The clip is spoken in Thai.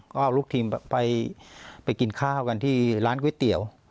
ก็เอาลูกทีมไปกินข้าวกันที่ร้านก๋วยเตี๋ยว